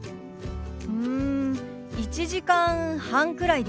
うん１時間半くらいです。